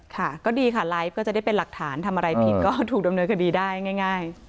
ค่ะก็ดีค่ะไลฟ์เพื่อจะได้เป็นหลักฐานทำอะไรผิดก็ถูกดำเนินคดีได้ง่าย